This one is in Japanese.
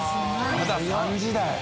まだ３時台。